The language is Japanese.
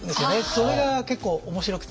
それが結構面白くて。